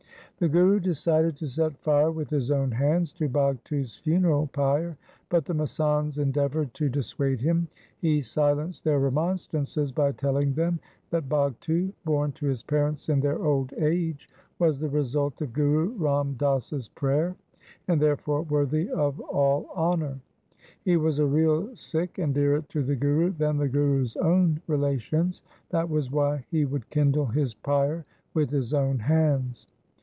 1 The Guru decided to set fire with his own hands to Bhagtu's funeral pile, but the masands endeavoured to dissuade him. He silenced their remonstrances by telling them that Bhagtu, born to his parents in their old age, was the result of Guru Ram Das's prayer, and therefore worthy of all honour. He was a real Sikh and dearer to the Guru than the Guru's own relations. That was why he would kindle his pyre with his own hands.